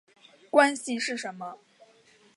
关系是什么？